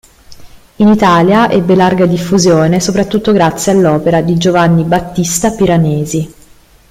In Italia ebbe larga diffusione soprattutto grazie all'opera di Giovanni Battista Piranesi.